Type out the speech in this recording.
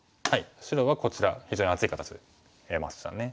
白はこちら非常に厚い形得ましたね。